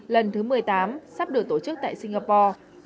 lần thứ một mươi tám sắp được tổ chức tại singapore